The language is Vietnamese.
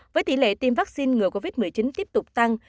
với tỷ lệ tiêm vaccine ngừa covid một mươi chín tiếp tục tăng